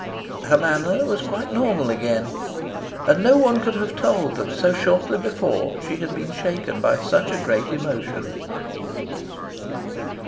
Her manner was quite normal again, and no one could have told that so shortly before she had been shaken by such a great emotion.